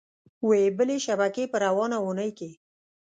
وې بلې شبکې په روانه اونۍ کې